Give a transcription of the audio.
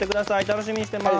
楽しみにしてます。